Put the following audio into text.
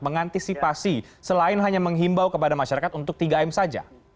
mengantisipasi selain hanya menghimbau kepada masyarakat untuk tiga m saja